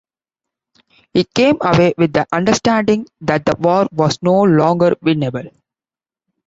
He came away with the understanding that the war was no longer winnable.